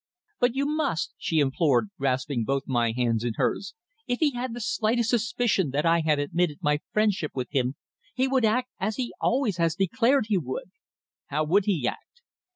"But you must," she implored, grasping both my hands in hers. "If he had the slightest suspicion that I had admitted my friendship with him, he would act as he has always declared he would." "How would he act?"